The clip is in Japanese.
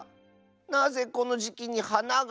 なぜこのじきにはなが。